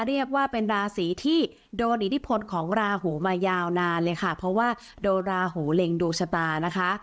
เรียกว่าเป็นราศีที่โดนอิทธิพลของราหูมายาวนานเลยค่ะเพราะว่าโดนราหูเล็งดวงชะตานะคะ